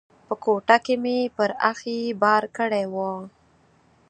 په کوټه کې مې پر اخښي بار کړی و.